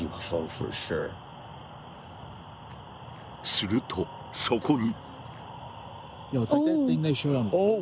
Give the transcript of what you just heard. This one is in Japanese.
するとそこに！